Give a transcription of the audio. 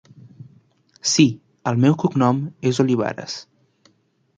Sí, el meu cognom és Olivares.